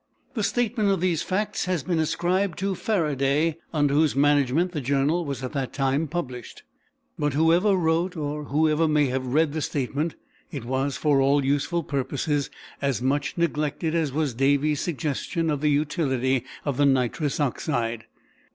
The statement of these facts has been ascribed to Faraday, under whose management the journal was at that time published. But, whoever wrote or whoever may have read the statement, it was, for all useful purposes, as much neglected as was Davy's suggestion of the utility of the nitrous oxide.